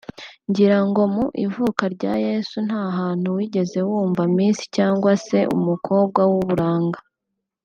ngira ngo mu ivuka rya Yesu nta hantu wigeze wumva Miss cyangwa se umukobwa w'uburanga